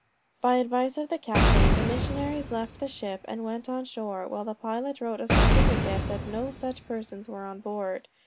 By advice of the captain, the missionaries left the ship, and went on shore, while the pilot wrote a certificate that no such persons were on board.